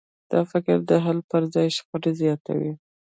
دا فکر د حل پر ځای شخړې زیاتوي.